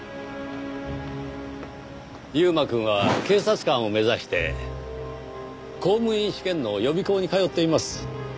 優馬くんは警察官を目指して公務員試験の予備校に通っています。